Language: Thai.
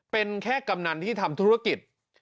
เป็นแค่กำนันที่ทำธุรกิจ